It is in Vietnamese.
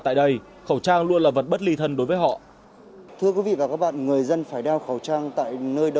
tại đây khẩu trang luôn là vật bất ly thân đối với họ